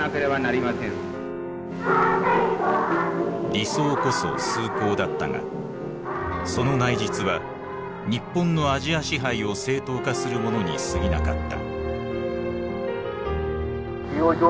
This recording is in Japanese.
理想こそ崇高だったがその内実は日本のアジア支配を正当化するものにすぎなかった。